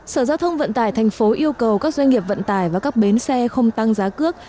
sở giao thông vận tải thành phố yêu cầu các doanh nghiệp vận tải và các bến xe không tăng giá cước